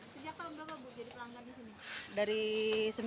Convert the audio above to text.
sejak kapan bapak bu jadi pelanggan disini